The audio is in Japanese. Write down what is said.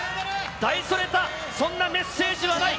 大それた、そんなメッセージはない。